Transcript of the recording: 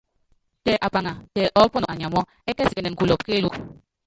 Tɛ apaŋa, tɛ ɔɔ́pɔnɔ anyamɔ́, ɛɛ́kɛsikɛnɛn kulɔ́pɔ kéelúku.